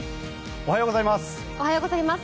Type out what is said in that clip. おはようございます。